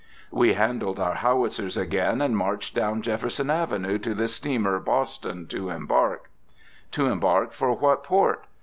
We handled our howitzers again, and marched down Jefferson Avenue to the steamer "Boston" to embark. To embark for what port?